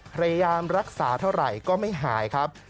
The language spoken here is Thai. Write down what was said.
พยายามรักษาเท่าไหร่ก็ไม่หายครับ